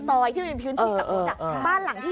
สุดทนแล้วกับเพื่อนบ้านรายนี้ที่อยู่ข้างกัน